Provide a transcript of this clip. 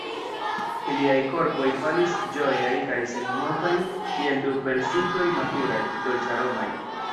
Iliaj korpoj falis ĝojaj kaj senmovaj kiel du persikoj maturaj, dolĉaromaj.